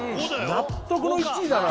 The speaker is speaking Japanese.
納得の１位だな。